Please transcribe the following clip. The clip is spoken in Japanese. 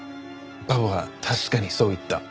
馬場は確かにそう言った。